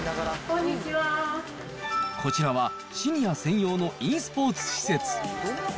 こちらは、シニア専用のｅスポーツ施設。